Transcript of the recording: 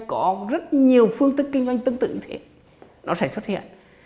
nếu có rất nhiều phương tức kinh doanh tương tự thì nó sẽ xuất hiện